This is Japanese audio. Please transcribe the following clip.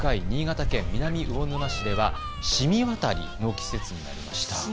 新潟県南魚沼市では凍み渡りの季節になりました。